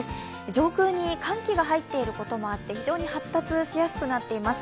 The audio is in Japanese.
上空に寒気が入っていることもあって、非常に発達しやすくなっています。